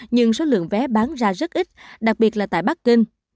nhưng số lượng vé bán ra rất ít đặc biệt là tại bắc kinh